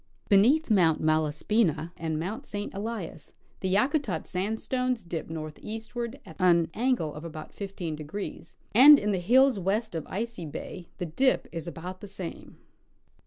Beneath Mount Malas pina and Mount St. Elias the Yakutat sandstones dip northeast ward at an angle of about 15°, and in the hills west of Icy bay the dip is about the same.